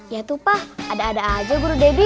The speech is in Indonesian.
ya tuh pah ada ada aja guru bebi